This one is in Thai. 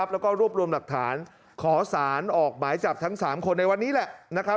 แล้วก็รวบรวมหลักฐานขอสารออกหมายจับทั้ง๓คนในวันนี้แหละนะครับ